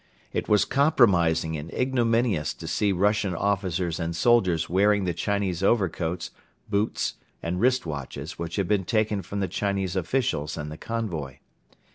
It was compromising and ignominious to see Russian officers and soldiers wearing the Chinese overcoats, boots and wrist watches which had been taken from the Chinese officials and the convoy.